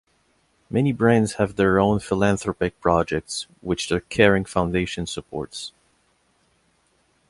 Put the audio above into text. Many brands have their own philanthropic projects, which the Kering Foundation supports.